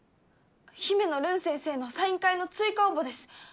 姫乃るん先生のサイン会の追加応募です